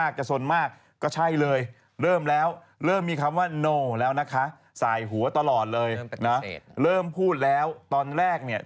ก็นี่เป็นหน้าแล้วมีปากมีจมูกเห็นไหมล่ะนั่นอ่ะ